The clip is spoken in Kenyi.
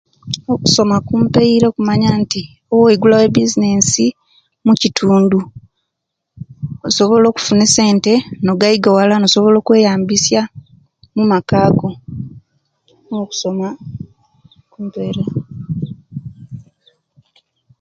Okusoma kumpaire okumanya nti oweigulawo ebizinesi omukitundu osobola okufuna essente nogaigawala nsobola okweyambisya omumaka go okusoma kumpaire.